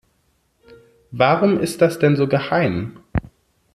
Warum ist das denn so geheim?